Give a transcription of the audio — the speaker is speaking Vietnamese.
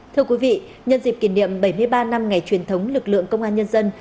thưa quý vị nhân dịp kỷ niệm bảy mươi ba năm ngày truyền thống lực lượng công an nhân dân